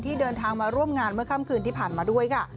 เดินทางมาร่วมงานเมื่อค่ำคืนที่ผ่านมาด้วยค่ะ